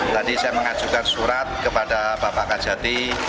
tadi saya mengajukan surat kepada bapak kajati